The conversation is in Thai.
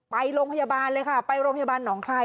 ไปโรงพยาบาลเลยค่ะไปโรงพยาบาลหนองคลาย